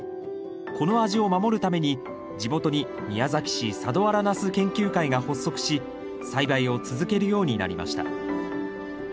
この味を守るために地元に宮崎市佐土原ナス研究会が発足し栽培を続けるようになりました。